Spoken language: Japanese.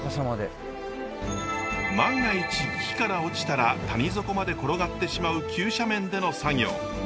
万が一木から落ちたら谷底まで転がってしまう急斜面での作業。